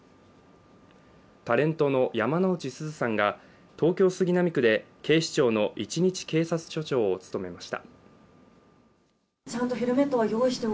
タレントの山之内すずさんが東京・杉並区で警視庁の一日警察署長を務めました。